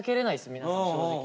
皆さん正直。